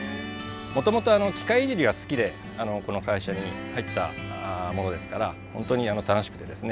もともと機械いじりが好きでこの会社に入ったものですから本当に楽しくてですね